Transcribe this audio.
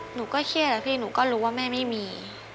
หนูก็เครียดอะพี่หนูก็รู้ว่าแม่ไม่มี